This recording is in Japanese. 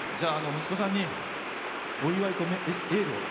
息子さんにお祝いとエールを。